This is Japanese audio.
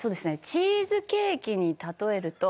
チーズケーキに例えると。